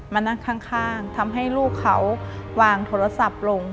มานั่งข้างทำให้ลูกเขาวางโทรศัพท์ลง